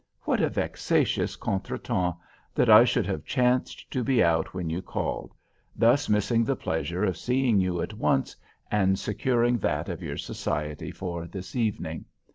What a vexatious contretemps that I should have chanced to be out when you called; thus missing the pleasure of seeing you at once, and securing that of your society for this evening?